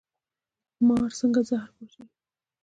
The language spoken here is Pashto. مار څنګه زهر پاشي؟